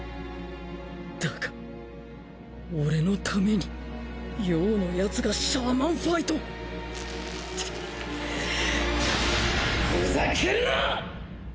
だが俺のために葉のヤツがシャーマンファイトをくっふざけるな！